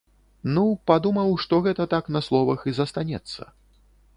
Ну, падумаў, што гэта так на словах і застанецца.